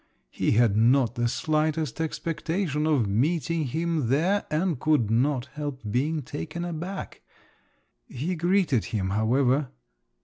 He had not the slightest expectation of meeting him there and could not help being taken aback. He greeted him, however.